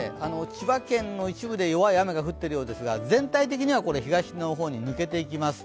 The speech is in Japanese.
千葉県の一部で弱い雨が降っているようですが、全体的には、これ、東の方に抜けていきます。